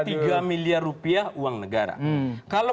tiga miliar rupiah uang negara kalau